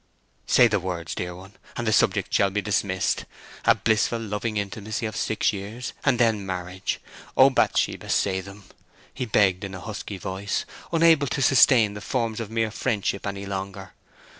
"Say the words, dear one, and the subject shall be dismissed; a blissful loving intimacy of six years, and then marriage—O Bathsheba, say them!" he begged in a husky voice, unable to sustain the forms of mere friendship any longer.